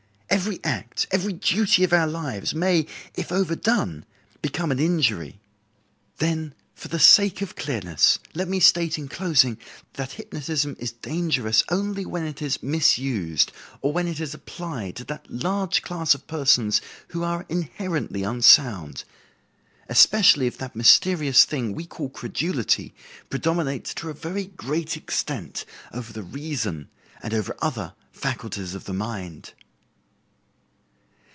Every act, every duty of our lives, may, if overdone, become an injury. "Then, for the sake of clearness, let me state in closing that hypnotism is dangerous only when it is misused, or when it is applied to that large class of persons who are inherently unsound; especially if that mysterious thing we call credulity predominates to a very great extent over the reason and over other faculties of the mind."